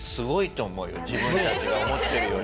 自分たちが思ってるより。